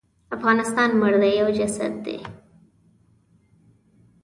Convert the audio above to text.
افغانستان مړ دی یو جسد دی.